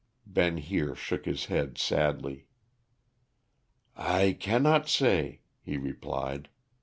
Ben Heer shook his head sadly. "I cannot say," he replied.